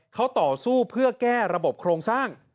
เขาต่อสู้เพื่อแก้ระบบโครงสร้าง